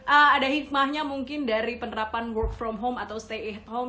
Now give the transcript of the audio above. ada hikmahnya mungkin dari penerapan work from home atau stay at home